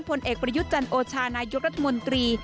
ผลเอกประยุจจันทร์โอชานายยกรัฐมนตรี